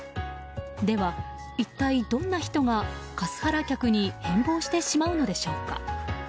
では、一体どんな人がカスハラ客に変貌してしまうのでしょうか。